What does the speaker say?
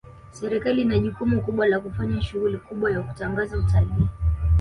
serikali ina jukumu kubwa la kufanya shughuli kubwa ya kutangaza utalii